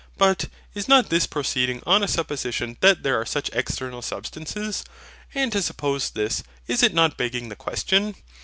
But is not this proceeding on a supposition that there are such external substances? And to suppose this, is it not begging the question?